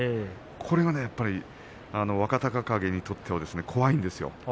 これがやっぱり若隆景にとっては怖いんですよ。